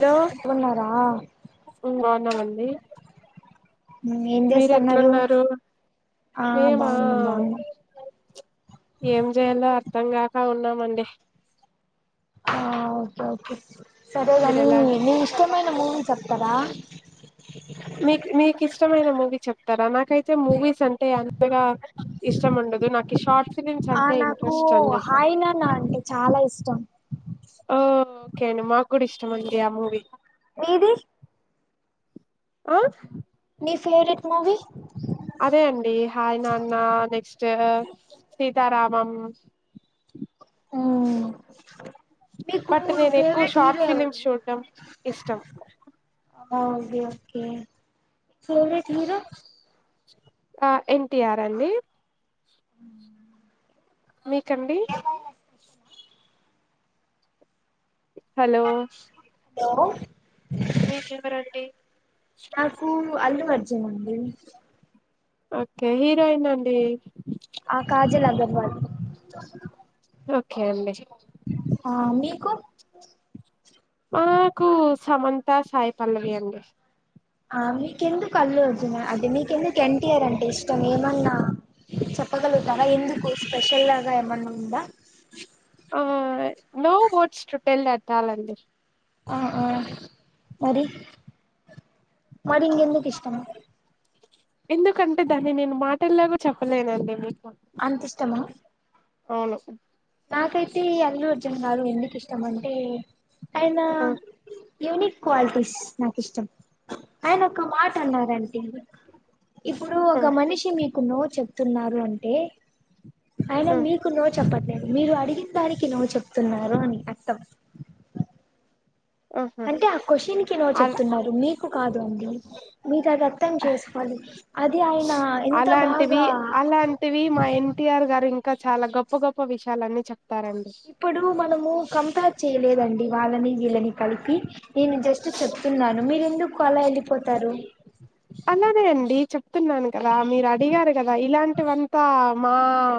Hello బాగున్నారా బాగున్నామండి. ఏం మీరు చేస్తన్నారు ఎట్లున్నారు? ఆ మేమ బాగున్నాం బాగున్నాం చ్ ఏం చేయాలో అర్ధం అర్థంగాక ఉన్నామండి. ఆ ఒకే ఒకే సరేగాని మీరెలా నీ ఇష్టమైన మూవీ చెప్తారా. [unintelligible] మీకు నీకు ఇష్టమైన మూవీ చెప్తారా నాకైతే మూవీస్ అంటే అంతగా ఇష్టం ఉండదు నాకు షార్ట్స్ ఆ నాకు హాయినానా అంటే చాలా ఇష్టం. ఓకే అండి మాకు కూడా ఇష్టమండి ఆ మూవీ మీది అ నీ ఫెవరెట్ ముూవీ అదే అండి హాయ్ నాన్న నెక్స్ట్, సీతారామం ఉ బట్ నేను ఎక్కువ షార్ట్ ఫిలిమ్స్ చూడ్డం ఇష్టం. ఓగే ఓకే ఫేవరెట్ హీరో ఆ ఎన్టీఆర్ అండి. ఊ మీకండి హలో లో మీకు ఎవరండీ నాకు అల్లు అర్జున్ అండి ఓకే హీరోయిన్ అండి వన్ ఓకే అండి ఆ మీకు మాకు సమంత సాయిపల్లవి అండి ఆ మీకెందుకు అల్లు అర్జున అదే మీకెందుకు ఎన్టీఆర్ అంటే ఇష్టం ఏమన్నా చెప్పగలుగుతారా ఎందుకు స్పెషల్ లాగా ఏమన్నా ఉందా ఆ no words to tell that all అండి ఆ ఆ మరి మరి ఇంకా ఎందుకి ఇష్ ష్టం ఎందుకంటే దాన్ని నేను మాటల్లాగ చెప్పలేనండి మీకు అంత ఇష్టమా అవును నాకైతే అల్లు అర్జు ర్జున్ గారు ఎందుకు ఇష్టం అంటే ఆయన ఆ యునీక్ క్వాలిటీస్ నాకు ఇష్టం ఆయన ఒక మాట అన్నారండి ఇప్పుడు ఆ ఒక మనిషి మీ కు నో చెప్తున్నారు అంటే అయినా ఆ మీకు నో చెప్పట్లేను మీరు అడిగిన దానికి నో చెప్తున్నారు అని అర్థం ఆహా అంటే ఆ క్వశ్చన్ కి నో అలా చెప్తున్నారు మీ కు కాదు మీరు అది అర్థం చేసుకోవాలి అది ఆయన ఎంత అలాంటివి బాగా అలాంటివి మా ఎన్టీఆర్ గారు ఇంకా చాలా గొప్ప గొప్ప విషయాలన్నీ చెప్ప ఇప్పుడు మనము కంపేర్ చెయలేదు డి వాళ్లని వీళ్ళని కలిపి నేను జస్ట్ చెప్తున్నాను మీరెందుకు అలా వెళ్ళిపోతారు అలానే అండి చెప్తున్నాను కదా మీరు అడిగారు కదా ఇలాంటివంతా మా